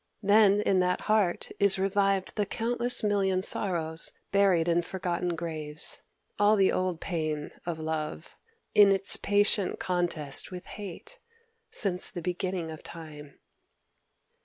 Then in that heart is revived the countless million sorrows buried in forgotten graves, all the old pain of Love, in its patient contest with Hate, since the beginning of Time.